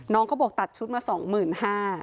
น้องก็บอกตัดชุดมา๒๕๐๐๐